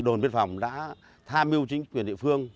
đồn biên phòng đã tham mưu chính quyền địa phương